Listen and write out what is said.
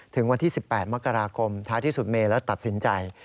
ถึงวันที่๑๘มกราคมท้ายที่สุดเมย์และตัดสินใจ